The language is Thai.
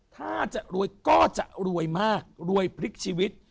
ถ้าจะรวยก็จะรวยมากรวยพลิกชีวิต